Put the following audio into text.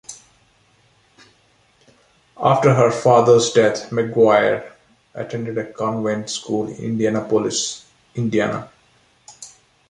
After her father's death, McGuire attended a convent school in Indianapolis, Indiana.